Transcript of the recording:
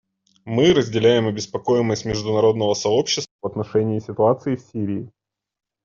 Мы разделяем обеспокоенность международного сообщества в отношении ситуации в Сирии.